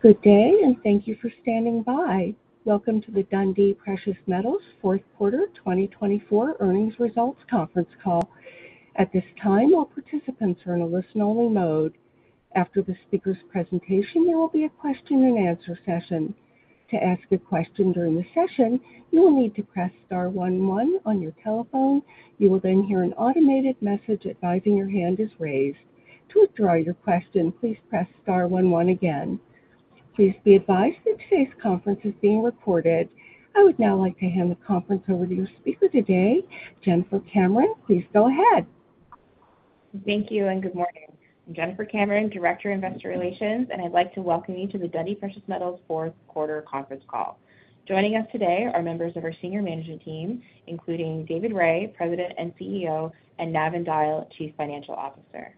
Good day, and thank you for standing by. Welcome to the Dundee Precious Metals Fourth Quarter 2024 Earnings Results Conference Call. At this time, all participants are in a listen-only mode. After the speaker's presentation, there will be a question-and-answer session. To ask a question during the session, you will need to press star one one on your telephone. You will then hear an automated message advising your hand is raised. To withdraw your question, please press star one one again. Please be advised that today's conference is being recorded. I would now like to hand the conference over to your speaker today, Jennifer Cameron. Please go ahead. Thank you, and good morning. I'm Jennifer Cameron, Director of Investor Relations, and I'd like to welcome you to the Dundee Precious Metals Fourth Quarter Conference Call. Joining us today are members of our senior management team, including David Rae, President and CEO, and Navin Dyal, Chief Financial Officer.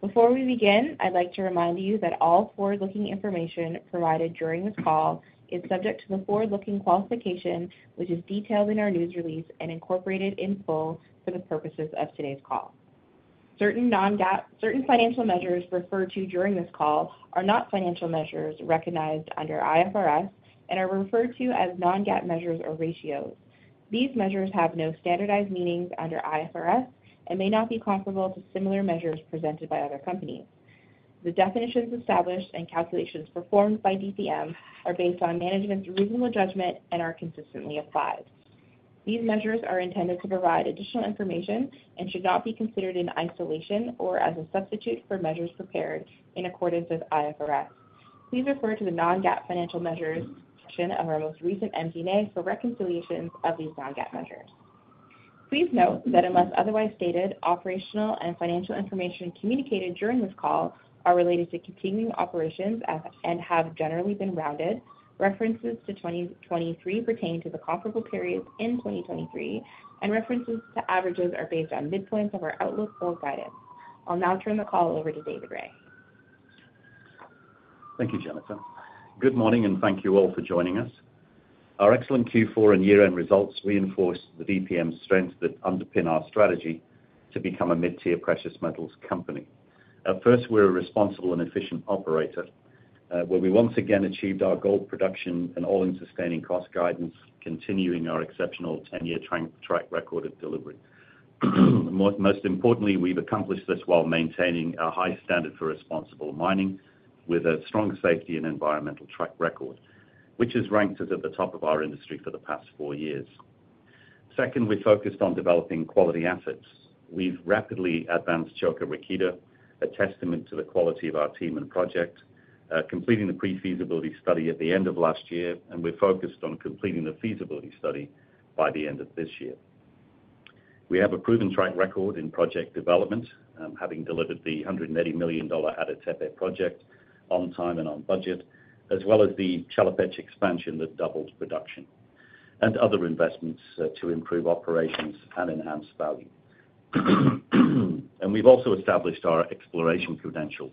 Before we begin, I'd like to remind you that all forward-looking information provided during this call is subject to the forward-looking qualification, which is detailed in our news release and incorporated in full for the purposes of today's call. Certain non-GAAP financial measures referred to during this call are not financial measures recognized under IFRS and are referred to as non-GAAP measures or ratios. These measures have no standardized meanings under IFRS and may not be comparable to similar measures presented by other companies. The definitions established and calculations performed by DPM are based on management's reasonable judgment and are consistently applied. These measures are intended to provide additional information and should not be considered in isolation or as a substitute for measures prepared in accordance with IFRS. Please refer to the non-GAAP financial measures section of our most recent MD&A for reconciliations of these non-GAAP measures. Please note that unless otherwise stated, operational and financial information communicated during this call are related to continuing operations and have generally been rounded. References to 2023 pertain to the comparable periods in 2023, and references to averages are based on midpoints of our outlook or guidance. I'll now turn the call over to David Rae. Thank you, Jennifer. Good morning, and thank you all for joining us. Our excellent Q4 and year-end results reinforce the DPM strengths that underpin our strategy to become a mid-tier precious metals company. First, we're a responsible and efficient operator, where we once again achieved our gold production and All-In Sustaining Cost guidance, continuing our exceptional 10-year track record of delivery. Most importantly, we've accomplished this while maintaining a high standard for responsible mining with a strong safety and environmental track record, which is ranked as at the top of our industry for the past four years. Second, we focused on developing quality assets. We've rapidly advanced Čoka Rakita, a testament to the quality of our team and project, completing the pre-feasibility study at the end of last year, and we're focused on completing the feasibility study by the end of this year. We have a proven track record in project development, having delivered the $180 million Ada Tepe project on time and on budget, as well as the Chelopech expansion that doubled production and other investments to improve operations and enhance value. And we've also established our exploration credentials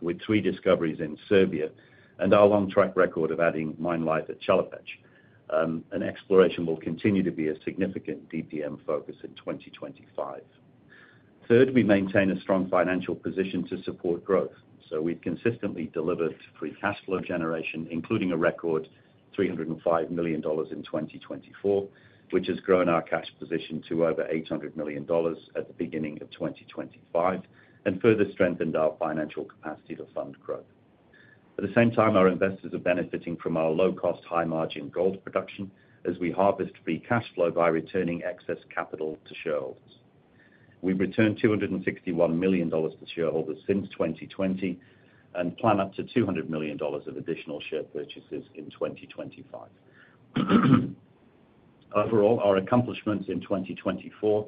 with three discoveries in Serbia and our long track record of adding mine life at Chelopech. And exploration will continue to be a significant DPM focus in 2025. Third, we maintain a strong financial position to support growth. So we've consistently delivered free cash flow generation, including a record $305 million in 2024, which has grown our cash position to over $800 million at the beginning of 2025 and further strengthened our financial capacity to fund growth. At the same time, our investors are benefiting from our low-cost, high-margin gold production as we harvest free cash flow by returning excess capital to shareholders. We've returned $261 million to shareholders since 2020 and plan up to $200 million of additional share purchases in 2025. Overall, our accomplishments in 2024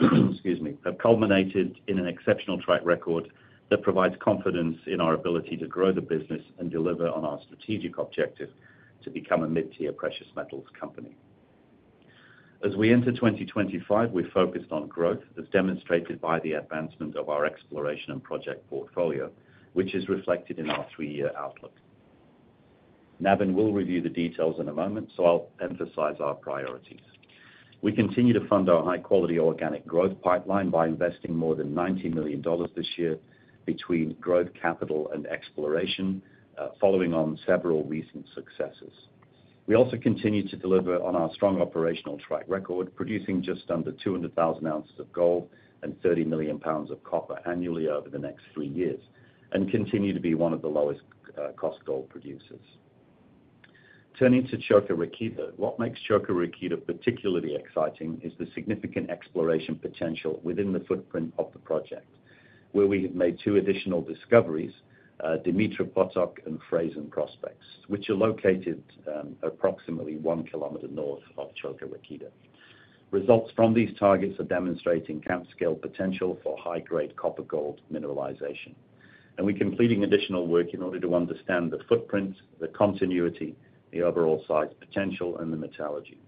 have culminated in an exceptional track record that provides confidence in our ability to grow the business and deliver on our strategic objective to become a mid-tier precious metals company. As we enter 2025, we've focused on growth, as demonstrated by the advancement of our exploration and project portfolio, which is reflected in our three-year outlook. Navin will review the details in a moment, so I'll emphasize our priorities. We continue to fund our high-quality organic growth pipeline by investing more than $90 million this year between growth capital and exploration, following on several recent successes. We also continue to deliver on our strong operational track record, producing just under 200,000 oz of gold and 30 million lbs of copper annually over the next three years, and continue to be one of the lowest-cost gold producers. Turning to Čoka Rakita, what makes Čoka Rakita particularly exciting is the significant exploration potential within the footprint of the project, where we have made two additional discoveries, Dumitru Potok and Frasen prospects, which are located approximately one kilometer north of Čoka Rakita. Results from these targets are demonstrating camp-scale potential for high-grade copper-gold mineralization, and we're completing additional work in order to understand the footprint, the continuity, the overall size potential, and the metallurgy.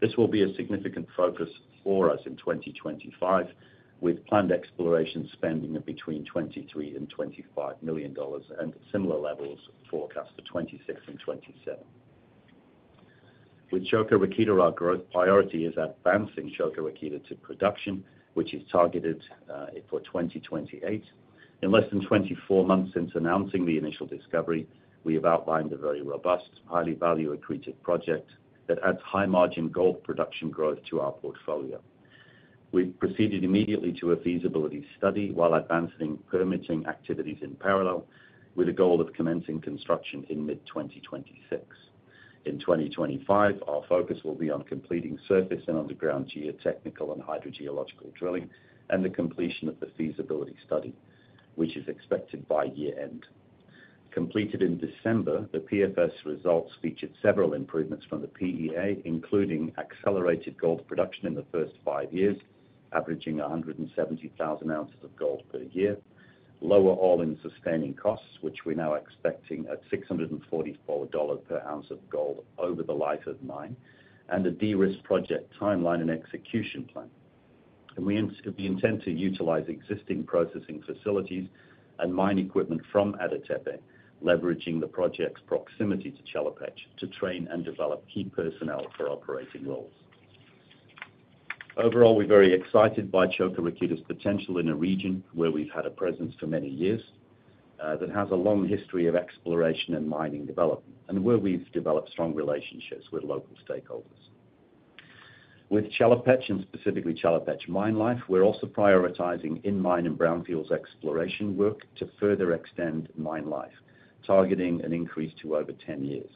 This will be a significant focus for us in 2025, with planned exploration spending of between $23 million and $25 million and similar levels forecast for 2026 and 2027. With Čoka Rakita, our growth priority is advancing Čoka Rakita to production, which is targeted for 2028. In less than 24 months since announcing the initial discovery, we have outlined a very robust, highly value-accretive project that adds high-margin gold production growth to our portfolio. We've proceeded immediately to a feasibility study while advancing permitting activities in parallel, with a goal of commencing construction in mid-2026. In 2025, our focus will be on completing surface and underground geotechnical and hydrogeological drilling and the completion of the feasibility study, which is expected by year-end. Completed in December, the PFS results featured several improvements from the PEA, including accelerated gold production in the first five years, averaging 170,000 oz of gold per year, lower all-in sustaining costs, which we're now expecting at $644 per ounce of gold over the life of mine, and a de-risk project timeline and execution plan. We intend to utilize existing processing facilities and mine equipment from Ada Tepe, leveraging the project's proximity to Chelopech to train and develop key personnel for operating roles. Overall, we're very excited by Čoka Rakita's potential in a region where we've had a presence for many years, that has a long history of exploration and mining development, and where we've developed strong relationships with local stakeholders. With Chelopech and specifically Chelopech mine life, we're also prioritizing in-mining brownfields exploration work to further extend mine life, targeting an increase to over 10 years.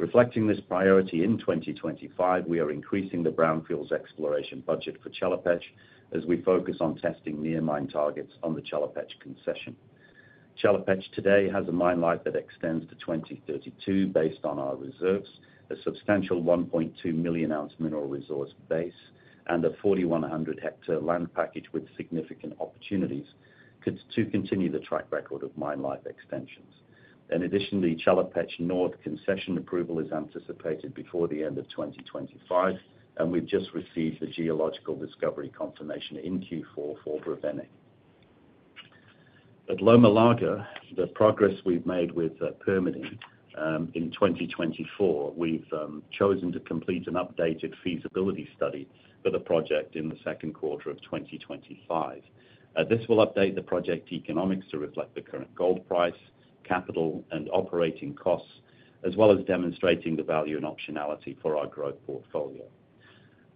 Reflecting this priority in 2025, we are increasing the brownfields exploration budget for Chelopech as we focus on testing near-mine targets on the Chelopech concession. Chelopech today has a mine life that extends to 2032 based on our reserves, a substantial 1.2 million ounce mineral resource base, and a 4,100-hectare land package with significant opportunities to continue the track record of mine life extensions, and additionally, Chelopech North concession approval is anticipated before the end of 2025, and we've just received the geological discovery confirmation in Q4 for Brevene. At Loma Larga, the progress we've made with permitting in 2024. We've chosen to complete an updated feasibility study for the project in the second quarter of 2025. This will update the project economics to reflect the current gold price, capital, and operating costs, as well as demonstrating the value and optionality for our growth portfolio.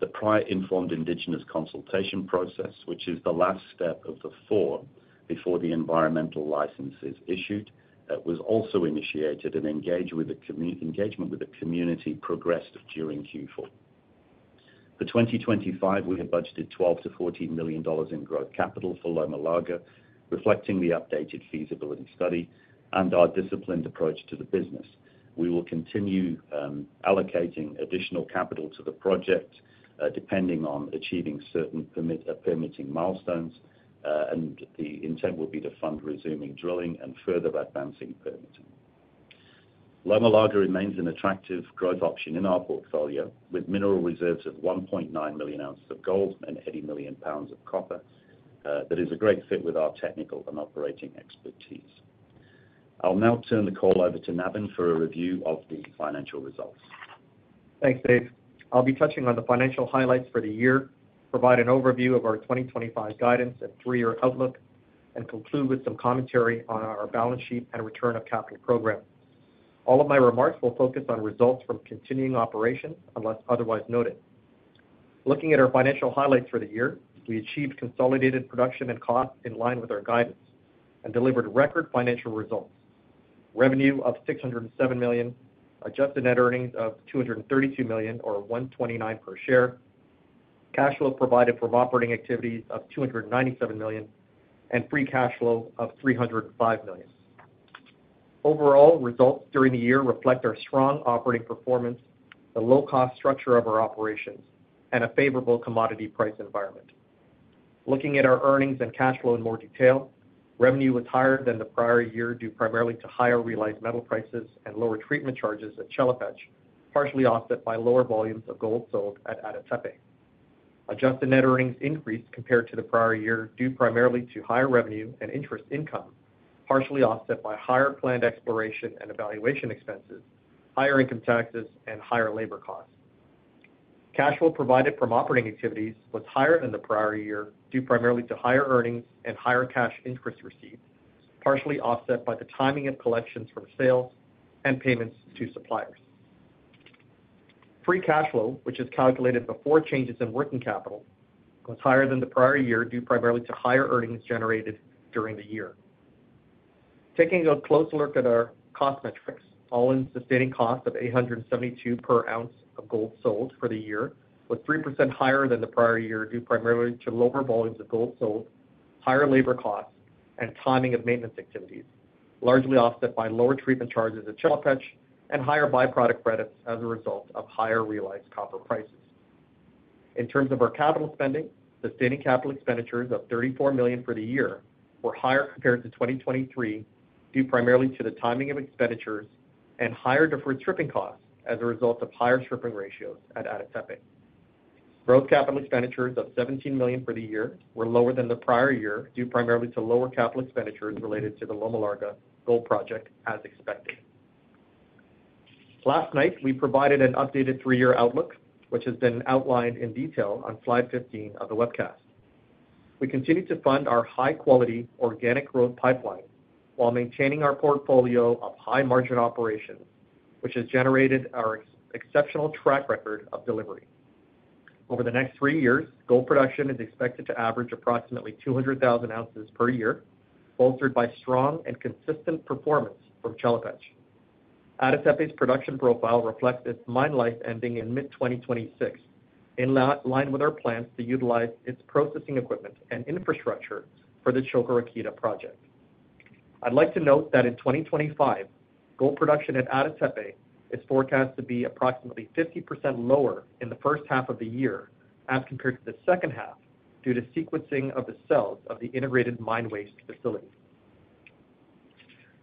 The prior informed indigenous consultation process, which is the last step of the four before the environmental license is issued, was also initiated, and engagement with the community progressed during Q4. For 2025, we have budgeted $12 million-$14 million in growth capital for Loma Larga, reflecting the updated feasibility study and our disciplined approach to the business. We will continue allocating additional capital to the project depending on achieving certain permitting milestones, and the intent will be to fund resuming drilling and further advancing permitting. Loma Larga remains an attractive growth option in our portfolio with mineral reserves of 1.9 million oz of gold and 80 million lbs of copper that is a great fit with our technical and operating expertise. I'll now turn the call over to Navin for a review of the financial results. Thanks, Dave. I'll be touching on the financial highlights for the year, provide an overview of our 2025 guidance and three-year outlook, and conclude with some commentary on our balance sheet and return of capital program. All of my remarks will focus on results from continuing operations unless otherwise noted. Looking at our financial highlights for the year, we achieved consolidated production and costs in line with our guidance and delivered record financial results: revenue of $607 million, adjusted net earnings of $232 million, or $129 per share, cash flow provided from operating activities of $297 million, and free cash flow of $305 million. Overall, results during the year reflect our strong operating performance, the low-cost structure of our operations, and a favorable commodity price environment. Looking at our earnings and cash flow in more detail, revenue was higher than the prior-year due primarily to higher realized metal prices and lower treatment charges at Chelopech, partially offset by lower volumes of gold sold at Ada Tepe. Adjusted net earnings increased compared to the prior year due primarily to higher revenue and interest income, partially offset by higher planned exploration and evaluation expenses, higher income taxes, and higher labor costs. Cash flow provided from operating activities was higher than the prior-year due primarily to higher earnings and higher cash interest receipts, partially offset by the timing of collections from sales and payments to suppliers. Free cash flow, which is calculated before changes in working capital, was higher than the prior-year due primarily to higher earnings generated during the year. Taking a close look at our cost metrics, all-in sustaining cost of $872 per ounce of gold sold for the year was 3% higher than the prior year due primarily to lower volumes of gold sold, higher labor costs, and timing of maintenance activities, largely offset by lower treatment charges at Chelopech and higher byproduct credits as a result of higher realized copper prices. In terms of our capital spending, sustaining capital expenditures of $34 million for the year were higher compared to 2023 due primarily to the timing of expenditures and higher deferred stripping costs as a result of higher stripping ratios at Ada Tepe. Growth capital expenditures of $17 million for the year were lower than the prior-year due primarily to lower capital expenditures related to the Loma Larga gold project, as expected. Last night, we provided an updated three-year outlook, which has been outlined in detail on slide 15 of the webcast. We continue to fund our high-quality organic growth pipeline while maintaining our portfolio of high-margin operations, which has generated our exceptional track record of delivery. Over the next three years, gold production is expected to average approximately 200,000 oz per year, bolstered by strong and consistent performance from Chelopech. Ada Tepe's production profile reflects its mine life ending in mid-2026, in line with our plans to utilize its processing equipment and infrastructure for the Čoka Rakita project. I'd like to note that in 2025, gold production at Ada Tepe is forecast to be approximately 50% lower in the first half of the year as compared to the second half due to sequencing of the cells of the integrated mine waste facility.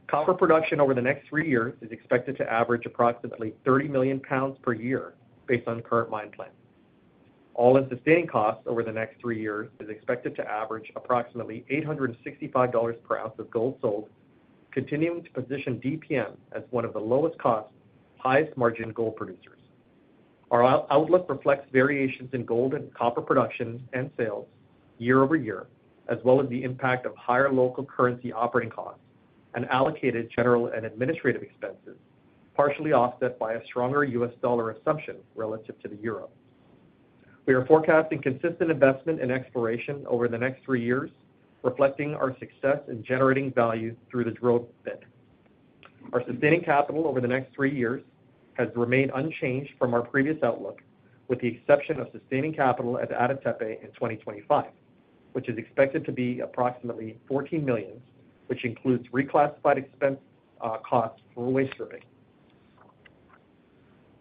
Copper production over the next three years is expected to average approximately 30 million lbs per year based on current mine plan. All-in sustaining costs over the next three years is expected to average approximately $865 per ounce of gold sold, continuing to position DPM as one of the lowest-cost, highest-margin gold producers. Our outlook reflects variations in gold and copper production and sales year-over-year, as well as the impact of higher local currency operating costs and allocated general and administrative expenses, partially offset by a stronger U.S. dollar assumption relative to the euro. We are forecasting consistent investment and exploration over the next three years, reflecting our success in generating value through the drill bit. Our sustaining capital over the next three years has remained unchanged from our previous outlook, with the exception of sustaining capital at Ada Tepe in 2025, which is expected to be approximately $14 million, which includes reclassified expensed costs for waste stripping.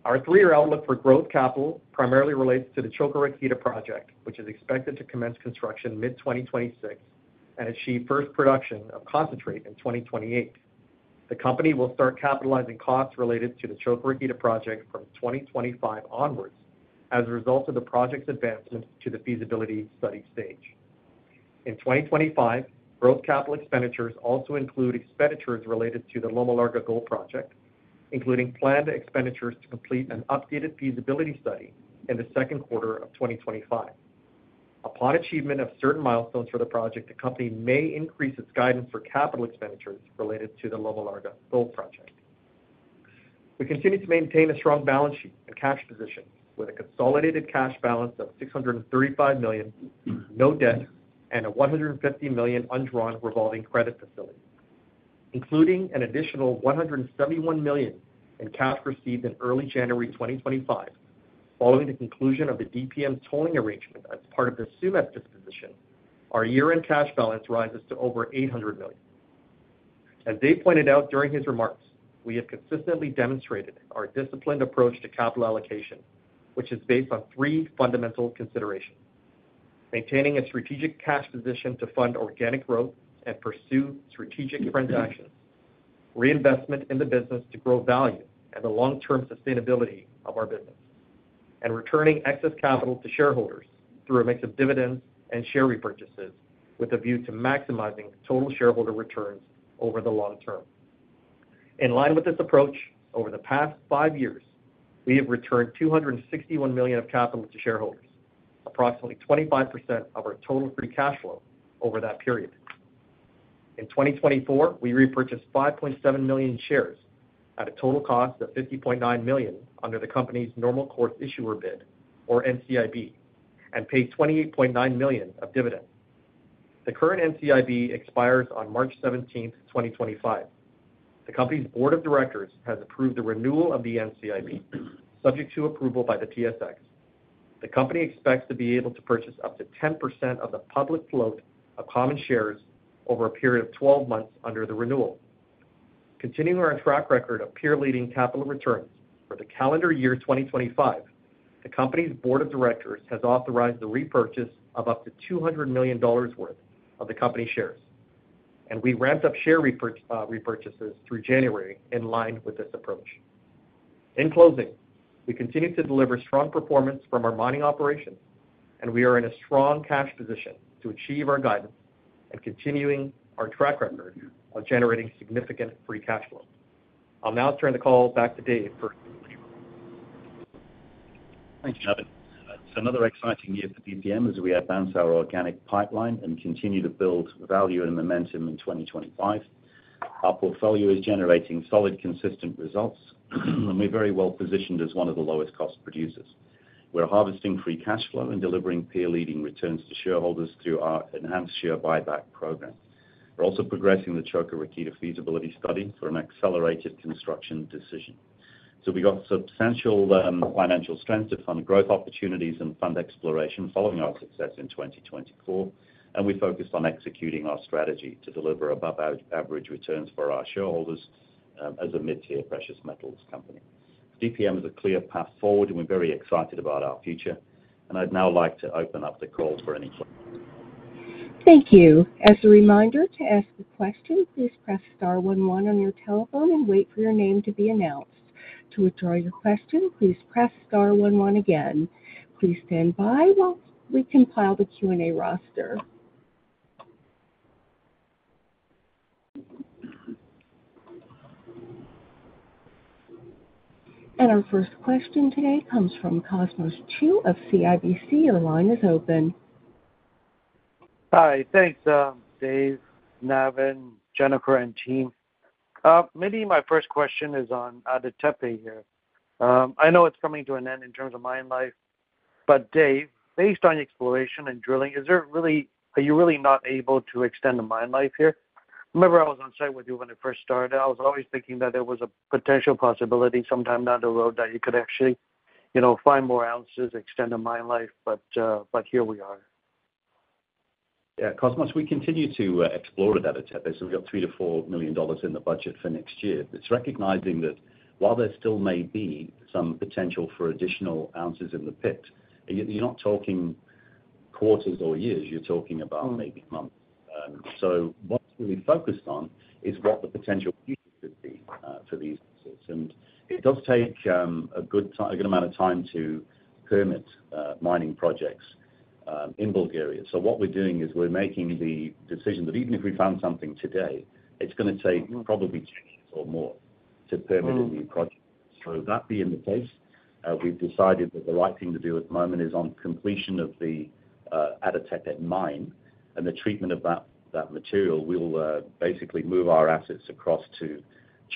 Our three-year outlook for growth capital primarily relates to the Čoka Rakita project, which is expected to commence construction mid-2026 and achieve first production of concentrate in 2028. The company will start capitalizing costs related to the Čoka Rakita project from 2025 onwards as a result of the project's advancement to the feasibility study stage. In 2025, growth capital expenditures also include expenditures related to the Loma Larga gold project, including planned expenditures to complete an updated feasibility study in the second quarter of 2025. Upon achievement of certain milestones for the project, the company may increase its guidance for capital expenditures related to the Loma Larga gold project. We continue to maintain a strong balance sheet and cash position with a consolidated cash balance of $635 million, no debt, and a $150 million undrawn revolving credit facility. Including an additional $171 million in cash received in early January 2025, following the conclusion of the DPM's tolling arrangement as part of the Tsumeb disposition, our year-end cash balance rises to over $800 million. As Dave pointed out during his remarks, we have consistently demonstrated our disciplined approach to capital allocation, which is based on three fundamental considerations: maintaining a strategic cash position to fund organic growth and pursue strategic transactions, reinvestment in the business to grow value and the long-term sustainability of our business, and returning excess capital to shareholders through a mix of dividends and share repurchases with a view to maximizing total shareholder returns over the long-term. In line with this approach, over the past five years, we have returned $261 million of capital to shareholders, approximately 25% of our total free cash flow over that period. In 2024, we repurchased 5.7 million shares at a total cost of $50.9 million under the company's Normal Course Issuer Bid, or NCIB, and paid $28.9 million of dividends. The current NCIB expires on March 17, 2025. The company's board of directors has approved the renewal of the NCIB, subject to approval by the TSX. The company expects to be able to purchase up to 10% of the public float of common shares over a period of 12 months under the renewal. Continuing our track record of peer-leading capital returns for the calendar year 2025, the company's board of directors has authorized the repurchase of up to $200 million worth of the company shares, and we ramped up share repurchases through January in line with this approach. In closing, we continue to deliver strong performance from our mining operations, and we are in a strong cash position to achieve our guidance and continuing our track record of generating significant free cash flow. I'll now turn the call back to Dave for a few more questions. Thank you, Navin. It's another exciting year for DPM as we advance our organic pipeline and continue to build value and momentum in 2025. Our portfolio is generating solid, consistent results, and we're very well positioned as one of the lowest-cost producers. We're harvesting free cash flow and delivering peer-leading returns to shareholders through our enhanced share buyback program. We're also progressing the Čoka Rakita feasibility study for an accelerated construction decision. So we got substantial financial strength to fund growth opportunities and fund exploration following our success in 2024, and we focused on executing our strategy to deliver above-average returns for our shareholders as a mid-tier precious metals company. DPM is a clear path forward, and we're very excited about our future, and I'd now like to open up the call for any. Thank you. As a reminder, to ask a question, please press star one one on your telephone and wait for your name to be announced. To withdraw your question, please press star one one again. Please stand by while we compile the Q&A roster, and our first question today comes from Cosmos Chiu of CIBC. Your line is open. Hi. Thanks, Dave, Navin, Jennifer, and team. Maybe my first question is on Ada Tepe here. I know it's coming to an end in terms of mine life, but Dave, based on exploration and drilling, are you really not able to extend the mine life here? Remember I was on site with you when it first started. I was always thinking that there was a potential possibility sometime down the road that you could actually find more ounces, extend the mine life, but here we are. Yeah. Cosmos, we continue to explore at Ada Tepe, so we've got $3 million-$4 million in the budget for next year. It's recognizing that while there still may be some potential for additional ounces in the pit, you're not talking quarters or years. You're talking about maybe months. So what we're focused on is what the potential future could be for these ounces. And it does take a good amount of time to permit mining projects in Bulgaria. So what we're doing is we're making the decision that even if we found something today, it's going to take probably two years or more to permit a new project. So that being the case, we've decided that the right thing to do at the moment is on completion of the Ada Tepe mine and the treatment of that material. We'll basically move our assets across to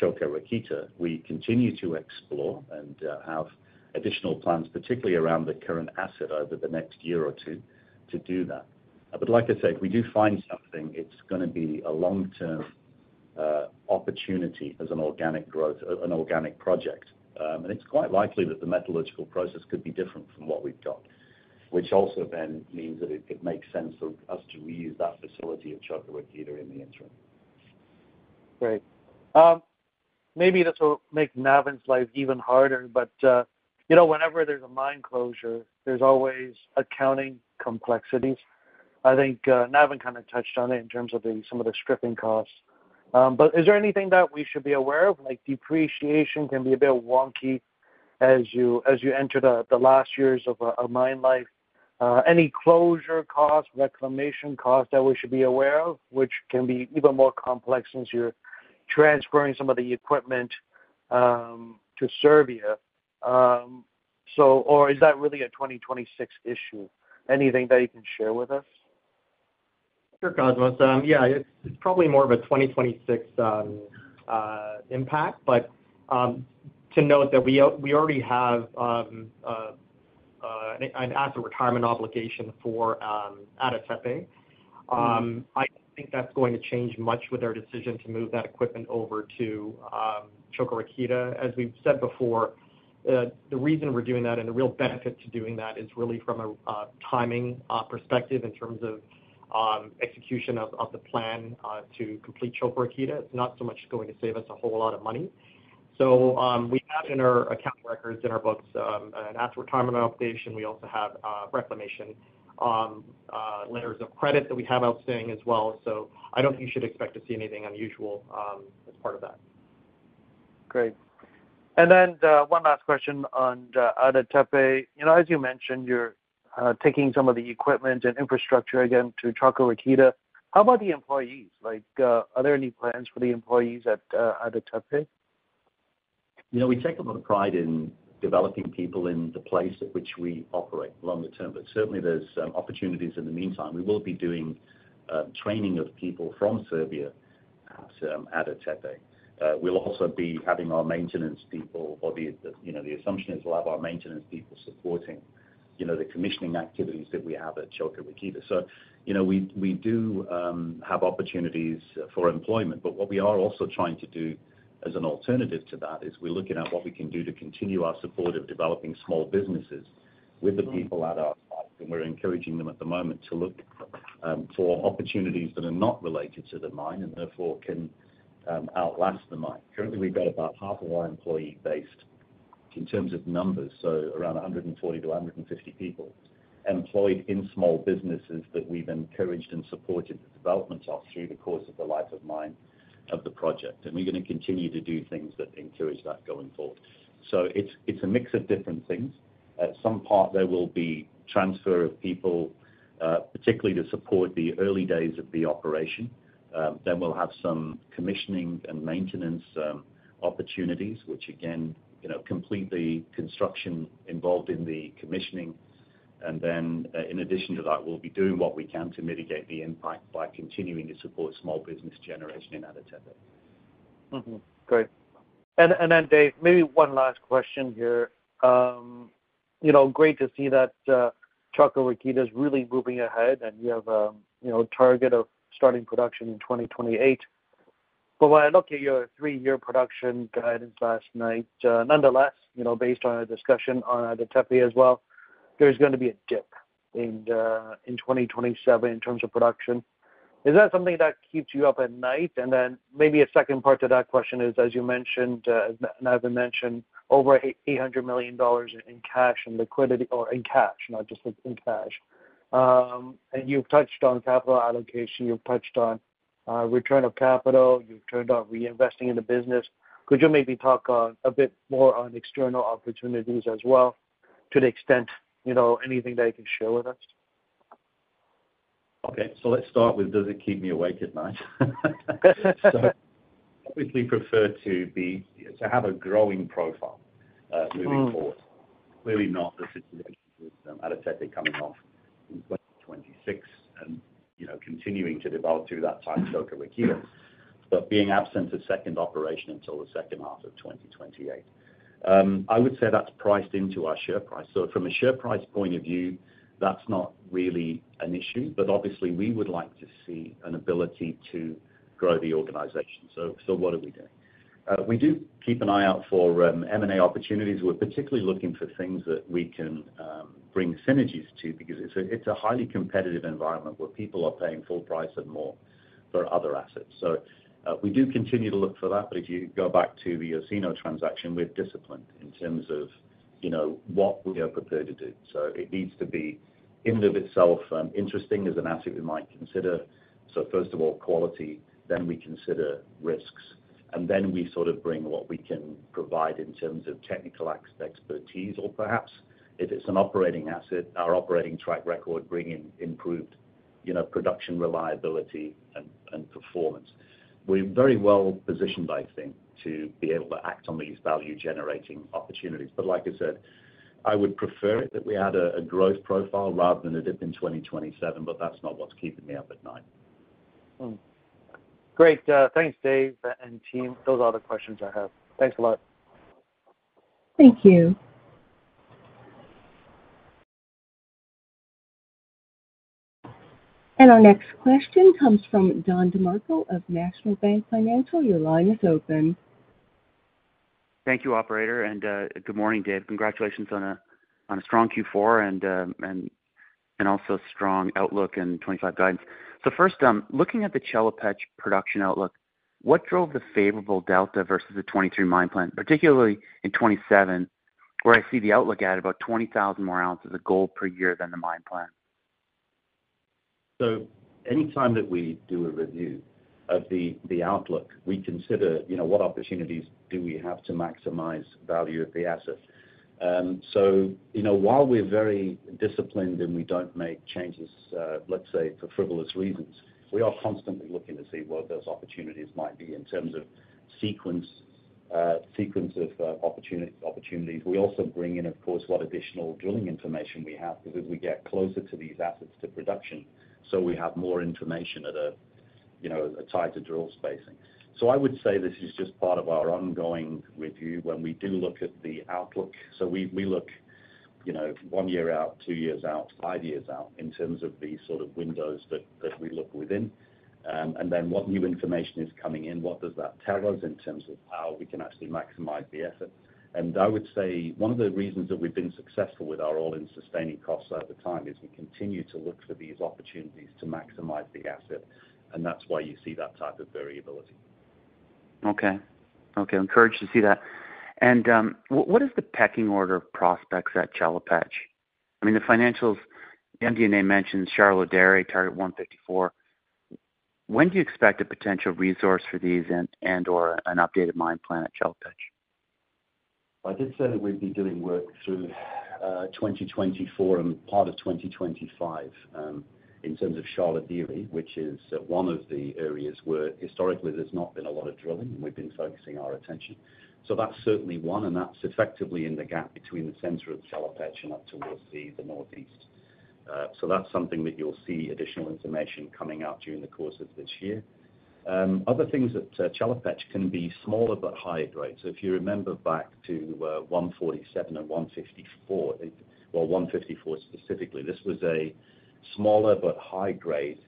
Čoka Rakita. We continue to explore and have additional plans, particularly around the current asset, over the next year or two to do that. But like I said, if we do find something, it's going to be a long-term opportunity as an organic growth, an organic project. And it's quite likely that the metallurgical process could be different from what we've got, which also then means that it makes sense for us to reuse that facility at Čoka Rakita in the interim. Great. Maybe this will make Navin's life even harder, but whenever there's a mine closure, there's always accounting complexities. I think Navin kind of touched on it in terms of some of the stripping costs. But is there anything that we should be aware of? Depreciation can be a bit wonky as you enter the last years of a mine life. Any closure costs, reclamation costs that we should be aware of, which can be even more complex since you're transferring some of the equipment to Serbia? Or is that really a 2026 issue? Anything that you can share with us? Sure, Cosmos. Yeah, it's probably more of a 2026 impact, but to note that we already have an asset retirement obligation for Ada Tepe. I don't think that's going to change much with our decision to move that equipment over to Čoka Rakita. As we've said before, the reason we're doing that and the real benefit to doing that is really from a timing perspective in terms of execution of the plan to complete Čoka Rakita. It's not so much going to save us a whole lot of money. So we have in our accounting records, in our books, an asset retirement obligation. We also have reclamation letters of credit that we have outstanding as well. So I don't think you should expect to see anything unusual as part of that. Great, and then one last question on Ada Tepe. As you mentioned, you're taking some of the equipment and infrastructure again to Čoka Rakita. How about the employees? Are there any plans for the employees at Ada Tepe? We take a lot of pride in developing people in the place at which we operate longer-term, but certainly there's opportunities in the meantime. We will be doing training of people from Serbia at Ada Tepe. We'll also be having our maintenance people, or the assumption is we'll have our maintenance people supporting the commissioning activities that we have at Čoka Rakita. So we do have opportunities for employment, but what we are also trying to do as an alternative to that is we're looking at what we can do to continue our support of developing small businesses with the people at our site. And we're encouraging them at the moment to look for opportunities that are not related to the mine and therefore can outlast the mine. Currently, we've got about half of our employee base in terms of numbers, so around 140-150 people employed in small businesses that we've encouraged and supported the development of through the course of the life of the project, and we're going to continue to do things that encourage that going forward, so it's a mix of different things. At some part, there will be transfer of people, particularly to support the early days of the operation, then we'll have some commissioning and maintenance opportunities, which again, complete the construction involved in the commissioning, and then in addition to that, we'll be doing what we can to mitigate the impact by continuing to support small business generation in Ada Tepe. Great. And then, Dave, maybe one last question here. Great to see that Čoka Rakita is really moving ahead and you have a target of starting production in 2028. But when I look at your three-year production guidance last night, nonetheless, based on our discussion on Ada Tepe as well, there's going to be a dip in 2027 in terms of production. Is that something that keeps you up at night? And then maybe a second part to that question is, as you mentioned, Navin mentioned, over $800 million in cash and liquidity, or in cash, not just in cash. And you've touched on capital allocation. You've touched on return of capital. You've touched on reinvesting in the business. Could you maybe talk a bit more on external opportunities as well to the extent anything that you can share with us? Okay, so let's start with does it keep me awake at night, so I would definitely prefer to have a growing profile moving forward. Clearly not the situation with Ada Tepe coming off in 2026 and continuing to develop through that time Čoka Rakita, but being absent a second operation until the second half of 2028. I would say that's priced into our share price, so from a share price point of view, that's not really an issue, but obviously we would like to see an ability to grow the organization, so what are we doing? We do keep an eye out for M&A opportunities. We're particularly looking for things that we can bring synergies to because it's a highly competitive environment where people are paying full price and more for other assets. So we do continue to look for that, but if you go back to the Osino transaction, we're disciplined in terms of what we are prepared to do. So it needs to be in and of itself interesting as an asset we might consider. So first of all, quality, then we consider risks, and then we sort of bring what we can provide in terms of technical expertise, or perhaps if it's an operating asset, our operating track record bringing improved production reliability and performance. We're very well positioned, I think, to be able to act on these value-generating opportunities. But like I said, I would prefer that we had a growth profile rather than a dip in 2027, but that's not what's keeping me up at night. Great. Thanks, Dave and team. Those are all the questions I have. Thanks a lot. Thank you, and our next question comes from Don DeMarco of National Bank Financial. Your line is open. Thank you, Operator. And good morning, Dave. Congratulations on a strong Q4 and also strong outlook and 2025 guidance. So first, looking at the Chelopech production outlook, what drove the favorable Delta versus the 2023 mine plan, particularly in 2027, where I see the outlook at about 20,000 more ounces of gold per year than the mine plan? So anytime that we do a review of the outlook, we consider what opportunities do we have to maximize value of the asset. So while we're very disciplined and we don't make changes, let's say, for frivolous reasons, we are constantly looking to see what those opportunities might be in terms of sequence of opportunities. We also bring in, of course, what additional drilling information we have because as we get closer to these assets to production, so we have more information at a tighter drill spacing. So I would say this is just part of our ongoing review when we do look at the outlook. So we look one year out, two years out, five years out in terms of the sort of windows that we look within. And then what new information is coming in, what does that tell us in terms of how we can actually maximize the effort? And I would say one of the reasons that we've been successful with our all-in sustaining costs over time is we continue to look for these opportunities to maximize the asset, and that's why you see that type of variability. Okay. Okay. Encouraged to see that. And what is the pecking order of prospects at Chelopech? I mean, the financials, MD&A mentioned Sharlo Dere, Target 154. When do you expect a potential resource for these and/or an updated mine plan at Chelopech? Like I said, we'd be doing work through 2024 and part of 2025 in terms of Sharlo Dere, which is one of the areas where historically there's not been a lot of drilling, and we've been focusing our attention. So that's certainly one, and that's effectively in the gap between the center of Chelopech and up towards the northeast. So that's something that you'll see additional information coming out during the course of this year. Other things at Chelopech can be smaller but higher grade. So if you remember back to 147 and 154, well, 154 specifically, this was a smaller but high-grade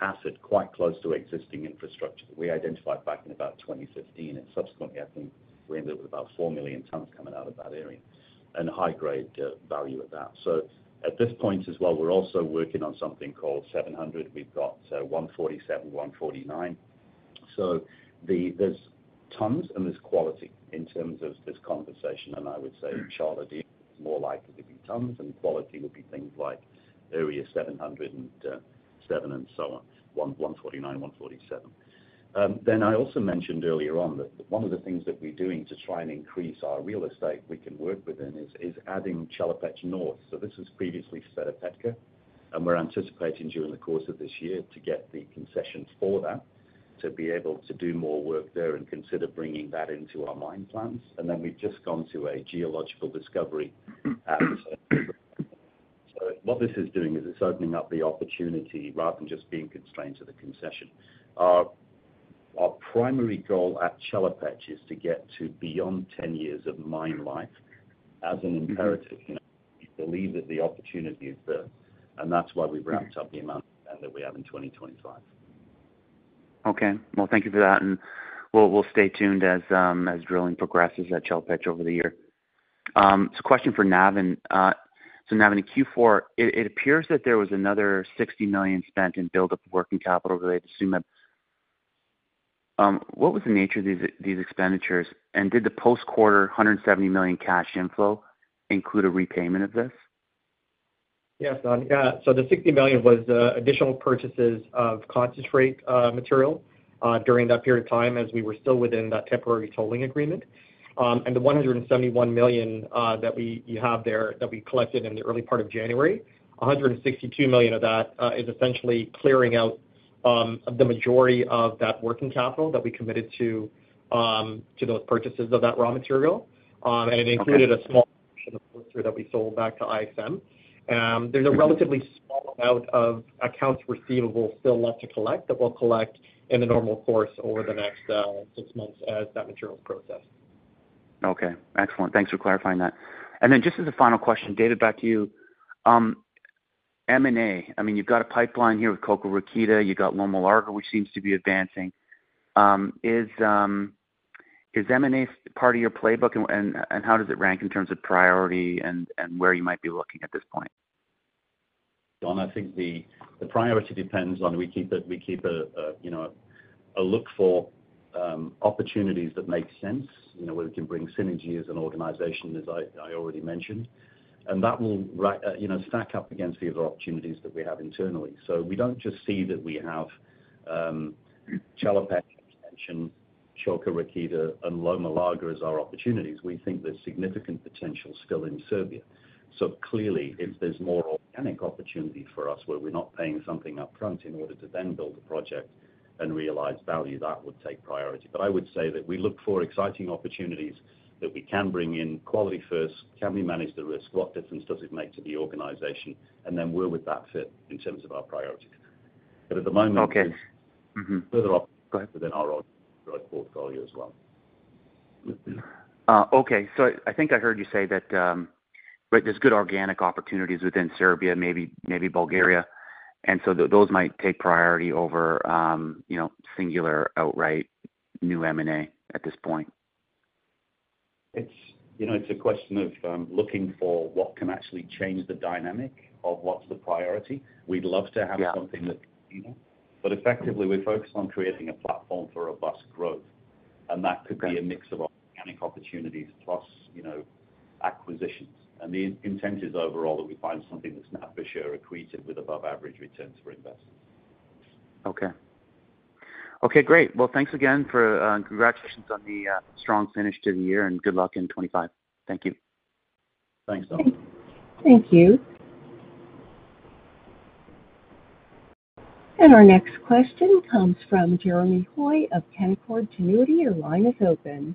asset quite close to existing infrastructure that we identified back in about 2015. And subsequently, I think we ended with about four million tons coming out of that area and high-grade value of that. So at this point as well, we're also working on something called 700. We've got 147, 149. So there's tons and there's quality in terms of this conversation. And I would say Sharlo Dere is more likely to be tons, and quality would be things like area 707 and so on, 149, 147. Then I also mentioned earlier on that one of the things that we're doing to try and increase our real estate we can work within is adding Chelopech North. So this was previously Sveta Petka, and we're anticipating during the course of this year to get the concession for that to be able to do more work there and consider bringing that into our mine plans. And then we've just gone to a geological discovery at. So what this is doing is it's opening up the opportunity rather than just being constrained to the concession. Our primary goal at Chelopech is to get to beyond 10 years of mine life as an imperative. We believe that the opportunity exists, and that's why we've ramped up the amount of spend that we have in 2025. Okay. Well, thank you for that. And we'll stay tuned as drilling progresses at Chelopech over the year. It's a question for Navin. So Navin, in Q4, it appears that there was another $60 million spent in buildup of working capital related to Tsumeb. What was the nature of these expenditures, and did the post-quarter $170 million cash inflow include a repayment of this? Yes, Don. So the $60 million was additional purchases of concentrate material during that period of time as we were still within that temporary tolling agreement. And the $171 million that you have there that we collected in the early part of January, $162 million of that is essentially clearing out the majority of that working capital that we committed to those purchases of that raw material. And it included a small portion of the material that we sold back to IXM. There's a relatively small amount of accounts receivable still left to collect that we'll collect in the normal course over the next six months as that material is processed. Okay. Excellent. Thanks for clarifying that. And then just as a final question, David, back to you. M&A, I mean, you've got a pipeline here with Čoka Rakita. You've got Loma Larga, which seems to be advancing. Is M&A part of your playbook, and how does it rank in terms of priority and where you might be looking at this point? Don, I think the priority depends on we keep a look for opportunities that make sense, where we can bring synergy as an organization, as I already mentioned. And that will stack up against the other opportunities that we have internally. So we don't just see that we have Chelopech, Čoka Rakita, and Loma Larga as our opportunities. We think there's significant potential still in Serbia. So clearly, if there's more organic opportunity for us where we're not paying something upfront in order to then build a project and realize value, that would take priority. But I would say that we look for exciting opportunities that we can bring in, quality first, can we manage the risk, what difference does it make to the organization, and then we're with that fit in terms of our priorities. But at the moment, further opportunities within our own growth portfolio as well. Okay. So I think I heard you say that there's good organic opportunities within Serbia, maybe Bulgaria. And so those might take priority over singular outright new M&A at this point. It's a question of looking for what can actually change the dynamic of what's the priority. We'd love to have something that's cleaner, but effectively, we're focused on creating a platform for robust growth. And that could be a mix of organic opportunities plus acquisitions. And the intent is overall that we find something that's not for sure equated with above-average returns for investors. Okay. Great. Thanks again for congratulations on the strong finish to the year and good luck in 2025. Thank you. Thanks, Don. Thank you. And our next question comes from Jeremy Hoy of Canaccord Genuity. Your line is open.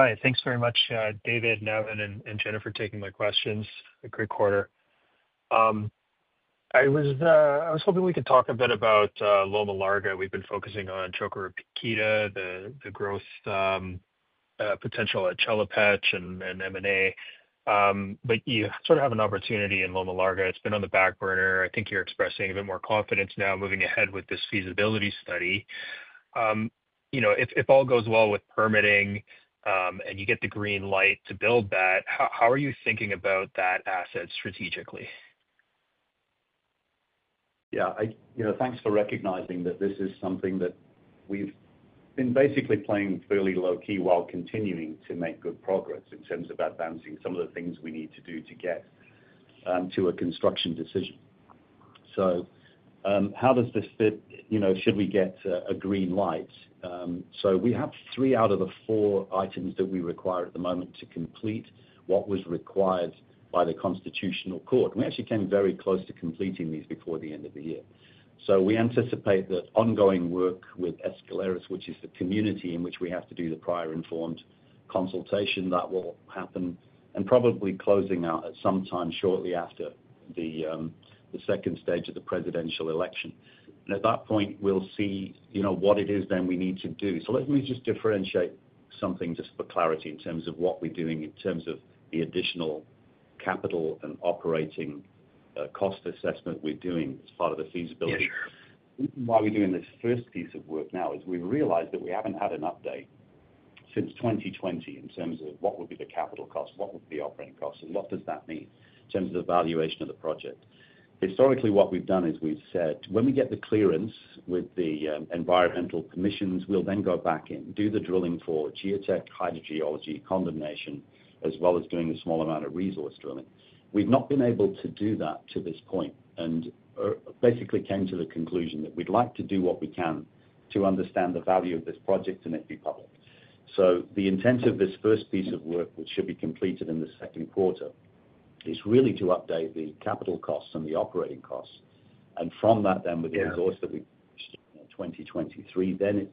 Hi. Thanks very much, David, Navin, and Jennifer taking my questions. Great quarter. I was hoping we could talk a bit about Loma Larga. We've been focusing on Čoka Rakita, the growth potential at Chelopech and M&A. But you sort of have an opportunity in Loma Larga. It's been on the back burner. I think you're expressing a bit more confidence now moving ahead with this feasibility study. If all goes well with permitting and you get the green light to build that, how are you thinking about that asset strategically? Yeah. Thanks for recognizing that this is something that we've been basically playing fairly low key while continuing to make good progress in terms of advancing some of the things we need to do to get to a construction decision. So how does this fit? Should we get a green light? So we have three out of the four items that we require at the moment to complete what was required by the Constitutional Court. And we actually came very close to completing these before the end of the year. So we anticipate that ongoing work with Escaleras, which is the community in which we have to do the prior informed consultation, that will happen, and probably closing out at some time shortly after the second stage of the presidential election. And at that point, we'll see what it is then we need to do. So let me just differentiate something just for clarity in terms of what we're doing in terms of the additional capital and operating cost assessment we're doing as part of the feasibility. Why we're doing this first piece of work now is we realize that we haven't had an update since 2020 in terms of what would be the capital cost, what would be the operating cost, and what does that mean in terms of the valuation of the project. Historically, what we've done is we've said, "When we get the clearance with the environmental permissions, we'll then go back in, do the drilling for geotech, hydrogeology, condemnation, as well as doing a small amount of resource drilling." We've not been able to do that to this point and basically came to the conclusion that we'd like to do what we can to understand the value of this project and it be public. So the intent of this first piece of work, which should be completed in the second quarter, is really to update the capital costs and the operating costs, and from that, then with the resource that we finished in 2023, then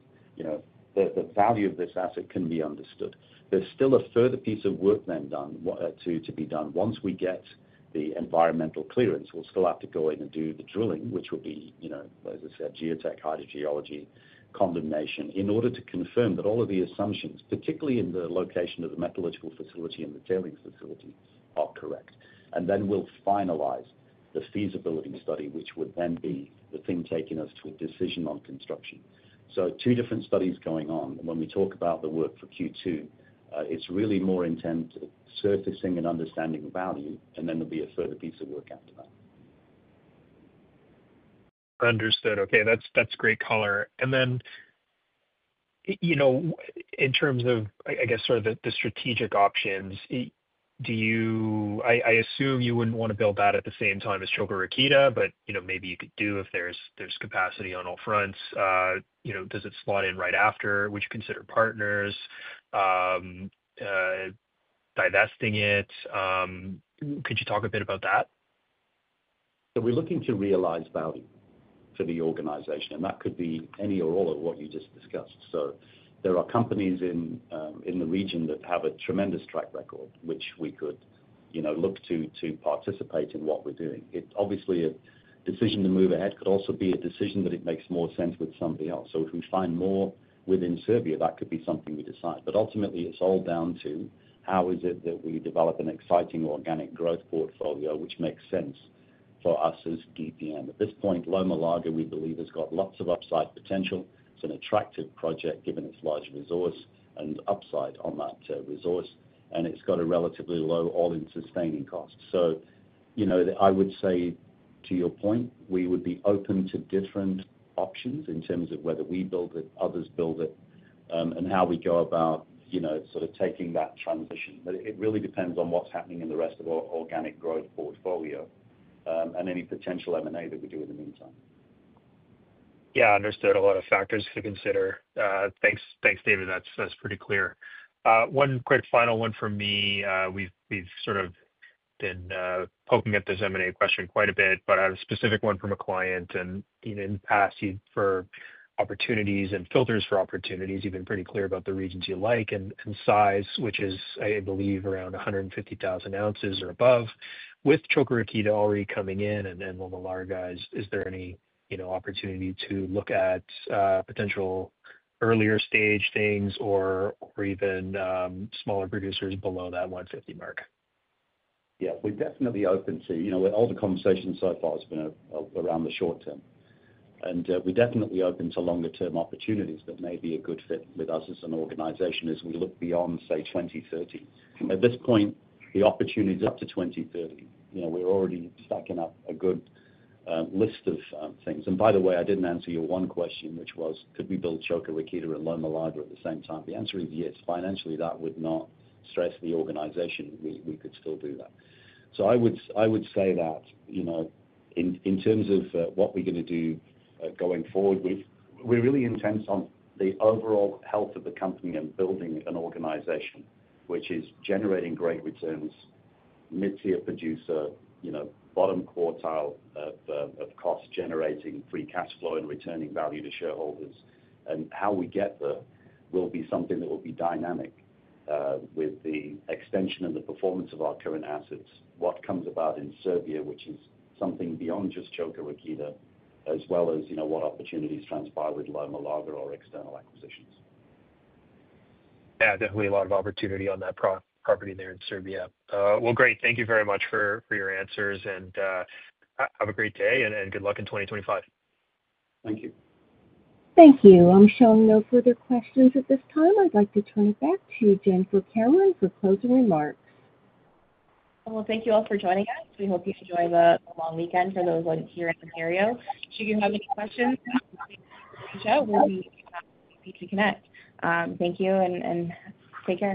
the value of this asset can be understood. There's still a further piece of work then to be done. Once we get the environmental clearance, we'll still have to go in and do the drilling, which will be, as I said, geotech, hydrogeology, condemnation, in order to confirm that all of the assumptions, particularly in the location of the metallurgical facility and the tailings facility, are correct. And then we'll finalize the feasibility study, which would then be the thing taking us to a decision on construction. So two different studies going on. And when we talk about the work for Q2, it's really more intent surfacing and understanding value, and then there'll be a further piece of work after that. Understood. Okay. That's great color. And then in terms of, I guess, sort of the strategic options, I assume you wouldn't want to build that at the same time as Čoka Rakita, but maybe you could do if there's capacity on all fronts. Does it slot in right after? Would you consider partners divesting it? Could you talk a bit about that? We're looking to realize value for the organization, and that could be any or all of what you just discussed. There are companies in the region that have a tremendous track record, which we could look to participate in what we're doing. Obviously, a decision to move ahead could also be a decision that it makes more sense with somebody else. If we find more within Serbia, that could be something we decide. But ultimately, it's all down to how is it that we develop an exciting organic growth portfolio, which makes sense for us as DPM. At this point, Loma Larga, we believe, has got lots of upside potential. It's an attractive project given its large resource and upside on that resource. And it's got a relatively low All-In Sustaining Cost. So I would say, to your point, we would be open to different options in terms of whether we build it, others build it, and how we go about sort of taking that transition. But it really depends on what's happening in the rest of our organic growth portfolio and any potential M&A that we do in the meantime. Yeah. Understood. A lot of factors to consider. Thanks, David. That's pretty clear. One quick final one for me. We've sort of been poking at this M&A question quite a bit, but I have a specific one from a client, and in the past, for opportunities and filters for opportunities, you've been pretty clear about the regions you like and size, which is, I believe, around 150,000 oz or above. with Čoka Rakita already coming in and Loma Larga's, is there any opportunity to look at potential earlier stage things or even smaller producers below that 150 mark? Yeah. We're definitely open to all. The conversation so far has been around the short-term. We're definitely open to longer-term opportunities that may be a good fit with us as an organization as we look beyond, say, 2030. At this point, the opportunity is up to 2030. We're already stacking up a good list of things. By the way, I didn't answer your one question, which was, could we build Čoka Rakita and Loma Larga at the same time? The answer is yes. Financially, that would not stress the organization. We could still do that. I would say that in terms of what we're going to do going forward, we're really intent on the overall health of the company and building an organization, which is generating great returns, mid-tier producer, bottom quartile of cost, generating free cash flow and returning value to shareholders. How we get there will be something that will be dynamic with the extension and the performance of our current assets, what comes about in Serbia, which is something beyond just Čoka Rakita, as well as what opportunities transpire with Loma Larga or external acquisitions. Yeah. Definitely a lot of opportunity on that property there in Serbia. Well, great. Thank you very much for your answers. And have a great day and good luck in 2025. Thank you. Thank you. I'm showing no further questions at this time. I'd like to turn it back to Jennifer Cameron for closing remarks. Thank you all for joining us. We hope you enjoy the long weekend for those here in Ontario. Should you have any questions, please reach out. We'll be happy to connect. Thank you and take care.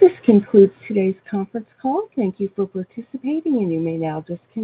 This concludes today's conference call. Thank you for participating, and you may now disconnect.